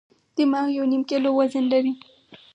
دماغ یو نیم کیلو وزن لري.